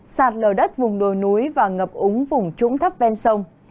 sạt lở đất vùng đồi núi và ngập úng vùng trũng thấp ven sông